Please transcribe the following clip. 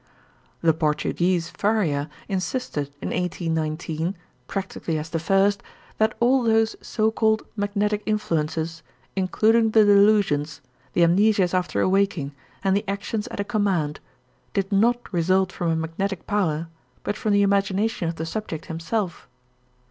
The Portuguese Faria insisted in 1819, practically as the first, that all those so called magnetic influences, including the delusions, the amnesias after awaking, and the actions at a command, did not result from a magnetic power but from the imagination of the subject himself.